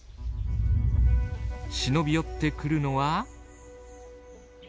忍び寄ってくるのは。